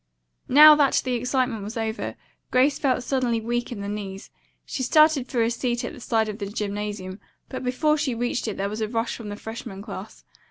Now that the excitement was over, Grace felt suddenly weak in the knees. She started for a seat at the side of the gymnasium, but before she reached it there was a rush from the freshman class.